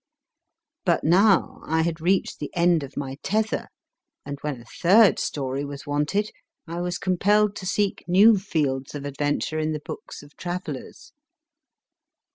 But now I had reached the end of my tether, and when a third story was wanted I was compelled to seek new fields of adventure in the books of travellers.